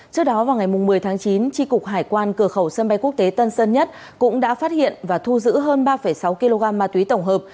trước đó vào ngày một mươi tháng chín tri cục hải quan cửa khẩu sân bay quốc tế tân sơn nhất cũng đã phát hiện và thu giữ hơn ba sáu kg ma túy tổng hợp